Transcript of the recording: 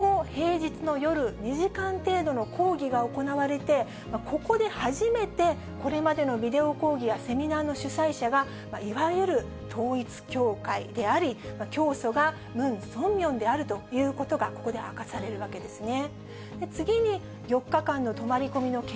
その後、平日の夜２時間程度の講義が行われて、ここで初めて、これまでのビデオ講義やセミナーの主催者が、いわゆる統一教会であり、教祖がムン・ソンミョン氏であることが、ここで明かされるわけですね。